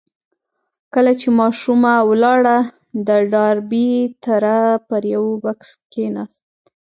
کله چې ماشومه ولاړه د ډاربي تره پر يوه بکس کېناست.